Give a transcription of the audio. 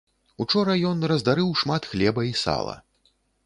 Учора ён раздарыў шмат хлеба і сала.